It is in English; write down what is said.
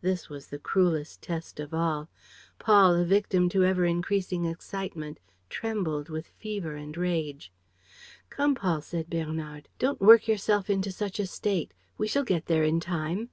This was the cruelest test of all. Paul, a victim to ever increasing excitement, trembled with fever and rage. "Come, Paul," said Bernard, "don't work yourself into such a state! We shall get there in time."